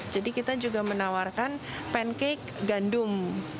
jadi kita juga menawarkan pancake gandum